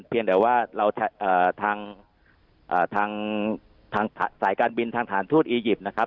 เพียงแต่ว่าเราเอ่อทางเอ่อทางทางสายการบินทางฐานทูตอียิปต์นะครับ